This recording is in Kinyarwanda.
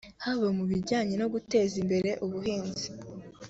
haba mu bijyanye no guteza imbere ubuhinzi